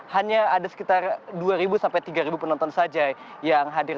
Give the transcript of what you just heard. hanya ada sekitar dua sampai tiga penonton saja yang hadir